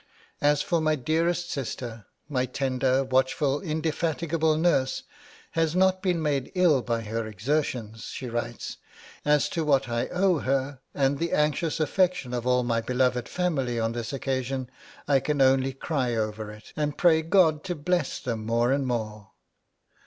'As for my dearest sister, my tender, watchful, indefatigable nurse has not been made ill by her exertions,' she writes. 'As to what I owe her, and the anxious affection of all my beloved family on this occasion, I can only cry over it, and pray God to bless them more and more.'